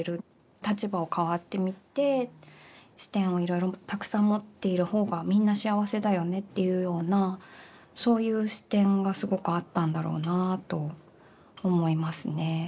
「立場を変わってみて視点をいろいろたくさん持っている方がみんな幸せだよねっていうようなそういう視点がすごくあったんだろうなあと思いますね。